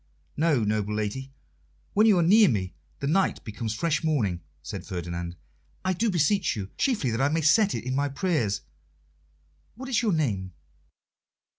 "No, noble lady; when you are near me the night becomes fresh morning," said Ferdinand. "I do beseech you chiefly that I may set it in my prayers what is your name?"